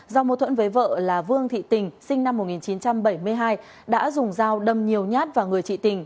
do mâu thuẫn với vợ là vương thị tình sinh năm một nghìn chín trăm bảy mươi hai đã dùng dao đâm nhiều nhát vào người chị tình